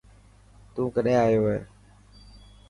تون ڪڏهن آيو هي.